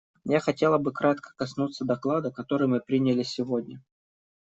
Я хотела бы кратко коснуться доклада, который мы приняли сегодня.